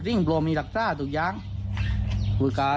ตอนนี้ก็เพิ่งที่จะสูญเสียคุณย่าไปไม่นาน